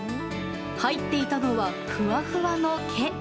入っていたのは、ふわふわの毛。